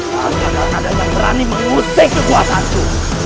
tak akan ada yang berani mengusik kekuatanku